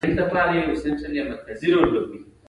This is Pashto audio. د ګوندي تربګنیو اور په غړغړو وي.